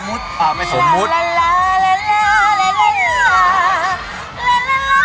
เวทีมันจะต้องเก็กจากวันแรกเลยนะพี่